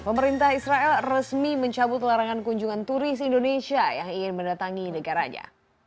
pemerintah israel resmi mencabut larangan kunjungan turis indonesia yang ingin mendatangi negaranya